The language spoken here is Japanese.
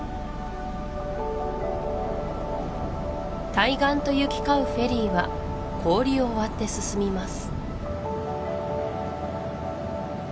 対岸と行き交うフェリーは氷を割って進みます